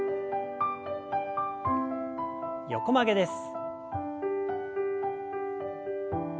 横曲げです。